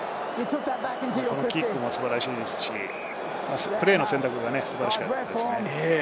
このキックも素晴らしいですし、プレーの選択が素晴らしかったですね。